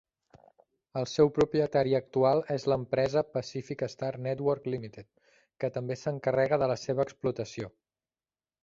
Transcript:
El seu propietari actual és l'empresa Pacific Star Network Limited, que també s'encarrega de la seva explotació.